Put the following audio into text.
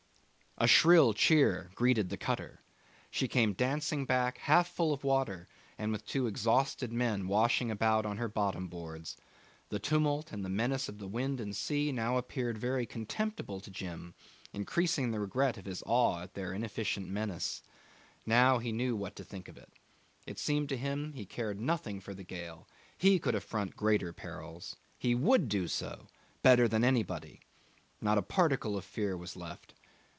A shrill cheer greeted the cutter. She came dancing back half full of water, and with two exhausted men washing about on her bottom boards. The tumult and the menace of wind and sea now appeared very contemptible to Jim, increasing the regret of his awe at their inefficient menace. Now he knew what to think of it. It seemed to him he cared nothing for the gale. He could affront greater perils. He would do so better than anybody. Not a particle of fear was left.